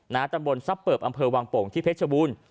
ตำบลซับเปิบอำเภอวังโป่งที่เพชรบูรณ์